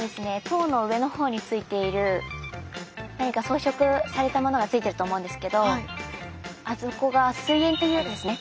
塔の上の方についている何か装飾されたものがついてると思うんですけどあそこが「水煙」というんですね。